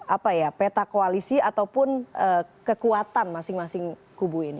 apa ya peta koalisi ataupun kekuatan masing masing kubu ini